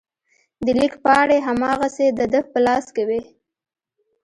د لیک پاڼې هماغسې د ده په لاس کې وې.